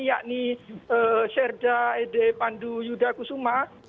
yakni sherda ede pandu yuda kusuma